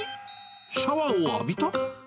シャワーを浴びた？